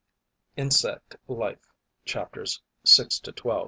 "Insect Life": chapters 6 to 12.